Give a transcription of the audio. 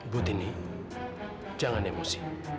butini jangan emosi